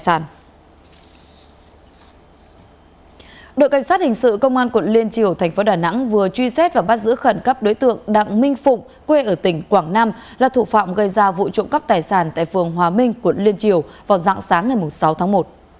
cảnh sát hình sự công an quận liên triều thành phố đà nẵng vừa truy xét và bắt giữ khẩn cấp đối tượng đặng minh phụng quê ở tỉnh quảng nam là thủ phạm gây ra vụ trộm cắp tài sản tại phường hòa minh quận liên triều vào dạng sáng ngày sáu tháng một